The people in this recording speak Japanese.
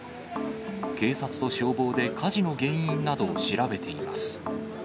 警察と消防で火事の原因などを調べています。